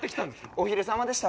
おひれさまでした。